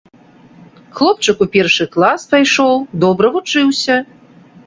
Хлопчык у першы клас пайшоў, добра вучыўся.